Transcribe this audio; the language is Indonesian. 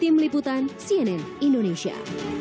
tim liputan cnn indonesia